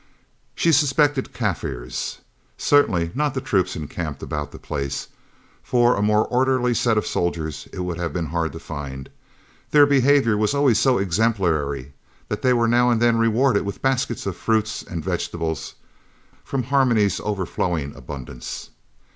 She suspected Kaffirs certainly not the troops encamped about the place, for a more orderly set of soldiers it would have been hard to find. Their behaviour was always so exemplary that they were now and then rewarded with baskets of fruit and vegetables from Harmony's overflowing abundance.